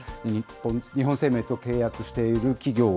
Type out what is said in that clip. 日本生命と契約している企業